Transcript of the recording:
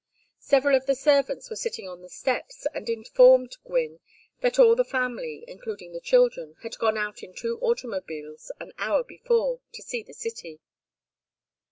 Several of the servants were sitting on the steps, and informed Gwynne that all the family, including the children, had gone out in two automobiles an hour before, to see the city.